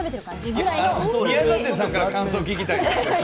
宮舘さんから感想聞きたい！